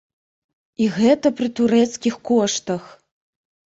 І гэта пры турэцкіх коштах!